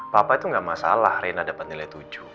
papa itu gak masalah rena dapet nilai tujuh